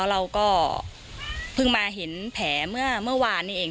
เราก็เพิ่งมาเห็นแผลเมื่อวานนี้เอง